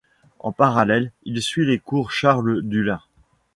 En parallèle, il suit les cours Charles-Dullin.